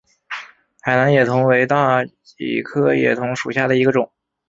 海南野桐为大戟科野桐属下的一个种。